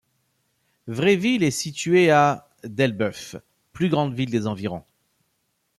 Vraiville est située à d'Elbeuf, plus grande ville des environs.